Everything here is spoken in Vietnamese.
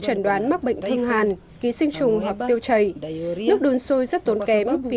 chẩn đoán mắc bệnh thương hàn ký sinh trùng hoặc tiêu chày nước đun sôi rất tốn kém vì